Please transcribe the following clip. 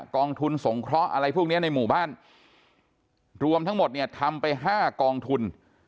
กองทุนสงเคราะห์อะไรพวกนี้ในหมู่บ้านรวมทั้งหมดเนี่ยทำไป๕กองทุน